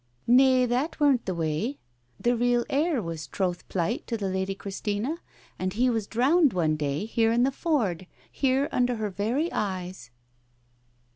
"Nay, that weren't the way. The real heir was troth plight to the Lady Christina, and he was drowned one day here in the ford, here under her very eyes."